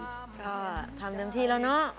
ก็ทำเต็มที่แล้วเนาะ